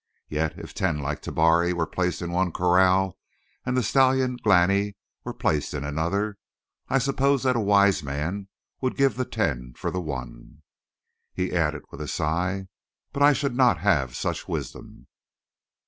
Yet, if ten like Tabari were placed in one corral and the stallion Glani were placed in another, I suppose that a wise man would give the ten for the one." He added with a sigh: "But I should not have such wisdom."